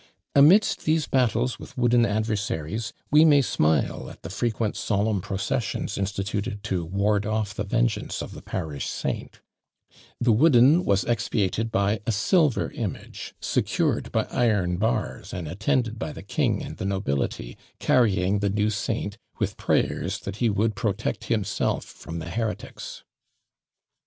Amidst these battles with wooden adversaries, we may smile at the frequent solemn processions instituted to ward off the vengeance of the parish saint; the wooden was expiated by a silver image, secured by iron bars and attended by the king and the nobility, carrying the new saint, with prayers that he would protect himself from the heretics!